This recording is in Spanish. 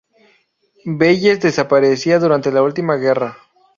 Veyes desaparecía durante la última guerra.